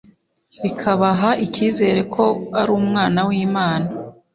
bikabaha icyizere ko ari Umwana w'Imana,